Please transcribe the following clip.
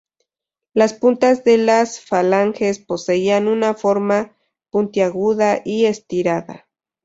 Las puntas de las falanges poseían una forma puntiaguda y estirada.